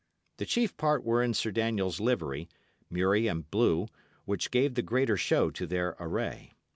The chief part were in Sir Daniel's livery, murrey and blue, which gave the greater show to their array.